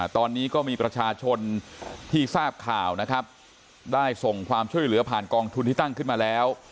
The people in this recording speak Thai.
ตอนนี้ก็มีประชาชนที่ทราบข่าวนะครับได้ส่งความช่วยเหลือผ่านกองทุนที่ตั้งขึ้นมาแล้ว